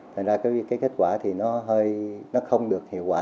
thế nên là kết quả thì nó không được hiệu quả